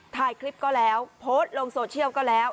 ถ่ายคลิปก็แล้วโพสต์ลงโซเชียลก็แล้ว